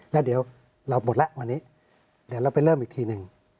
แล้วเดี๋ยวเราหมดแล้ววันนี้เดี๋ยวเราไปเริ่มอีกทีหนึ่ง